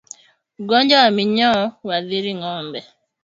Ugonjwa wa minyoo huathiri ngombe